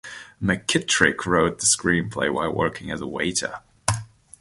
McKittrick wrote the screenplay while working as a waiter.